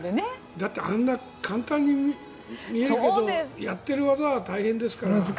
だってあんな簡単に見えるけどやってる技は大変ですから。